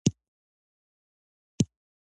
د کیک خوږوالی د خلکو خوښیږي.